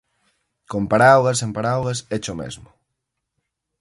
Con paraugas, sen paraugas, éche o mesmo.